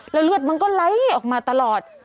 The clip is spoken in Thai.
แล้วเลือดมันก็ไหลออกมาตลอด